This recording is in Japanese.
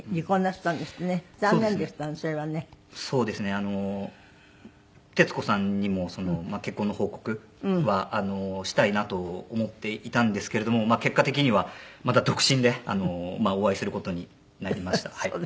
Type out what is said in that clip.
あの徹子さんにも結婚の報告はしたいなと思っていたんですけれどもまあ結果的にはまた独身でお会いする事になりました。